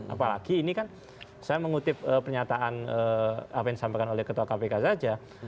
apalagi ini kan saya mengutip pernyataan apa yang disampaikan oleh ketua kpk saja